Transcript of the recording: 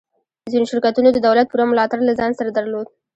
ځینو شرکتونو د دولت پوره ملاتړ له ځان سره درلود